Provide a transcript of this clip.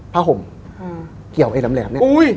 ผ้าห่มเกี่ยวเอ็ดแหลม